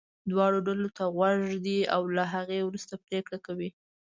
دواړو ډلو ته غوږ ږدي او له هغې وروسته پرېکړه کوي.